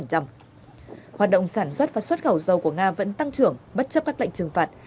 hoạt động sản xuất và xuất khẩu dầu của nga vẫn tăng trưởng bất chấp các lệnh trừng phạt